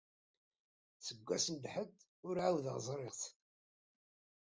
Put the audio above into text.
Seg wass n Lḥedd ur ɛawdeɣ ẓriɣ-t.